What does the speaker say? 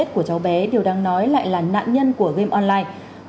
chết của cháu bé đều đang nói lại là nạn nhân của game online